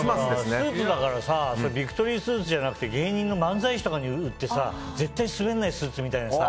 スーツだからビクトリースーツじゃなくて芸人の漫才師とかに売って絶対スベらないスーツみたいなさ。